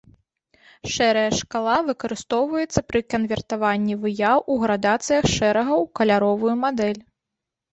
Шэрая шкала выкарыстоўваецца пры канвертаванні выяў у градацыях шэрага ў каляровую мадэль.